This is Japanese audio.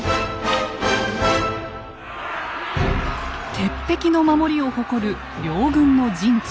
鉄壁の守りを誇る両軍の陣地。